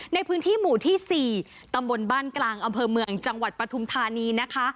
ในพื้นที่หมู่ที่๔ตำบลบ้านกลางอำเภอเมืองจังหวัดปฐุมธานีนะคะ